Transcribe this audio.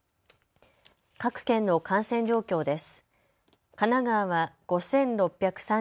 各県の感染状況です。